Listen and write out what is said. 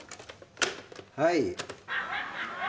はい。